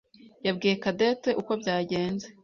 yabwiye Cadette uko byagenze.